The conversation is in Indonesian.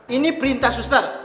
ini perintah suster